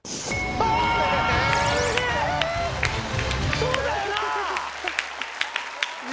そうだよね！